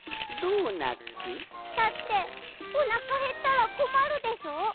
だっておなかへったらこまるでしょ？